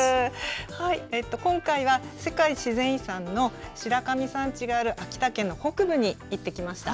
今回は世界自然遺産の白神山地がある秋田県の北部に行ってきました。